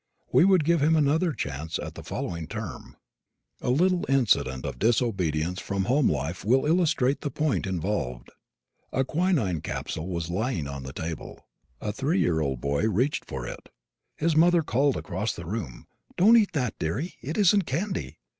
We would give him another chance at the following term. A little incident of disobedience from home life will illustrate the point involved. A quinine capsule was lying on the table. A three year old boy reached for it. His mother called across the room, "Don't eat that, dearie, it isn't candy."